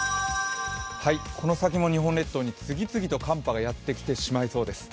この先も日本列島に次々と寒波がやってきてしまいそうです。